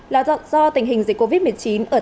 là do tình hình dịch covid một mươi chín